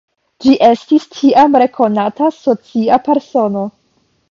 Ĝi estis tiam rekonata socia persono.